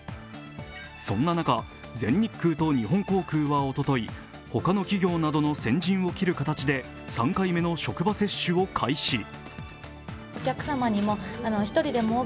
そんな中、全日空と日本航空はおととい他の企業などの先陣を切る形で３回目の職場接種を開始。